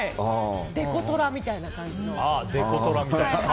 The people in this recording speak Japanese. デコトラみたいな感じの。